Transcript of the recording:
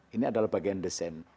ini adalah bagian desain